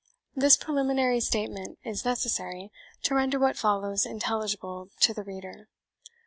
This preliminary statement is necessary, to render what follows intelligible to the reader.